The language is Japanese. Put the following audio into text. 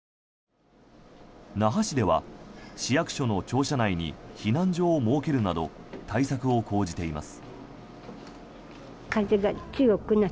那覇市では市役所の庁舎内に避難所を設けるなど対策を講じています。